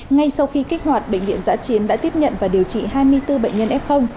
ngay sau khi kích hoạt bệnh viện giã chiến đã tiếp nhận và điều trị hai mươi bốn bệnh nhân f